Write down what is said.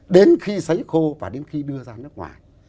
đến khi xấy khô và đến khi đưa ra nước ngoài